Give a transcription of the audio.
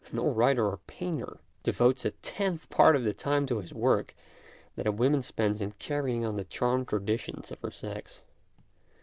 No writer or painter WHY WOMEN FAIL IN ART 131 devotes a tenth part of the time to his work that a woman spends in carrying on the charmed traditions of her sex.